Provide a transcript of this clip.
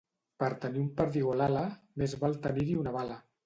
Per tenir un perdigó a l'ala, més val tenir-hi una bala.